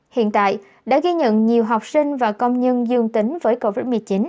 hiện tại đã ghi nhận nhiều học sinh và công nhân dương tính với covid một mươi chín